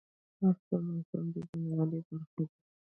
نفت د افغانستان د بڼوالۍ برخه ده.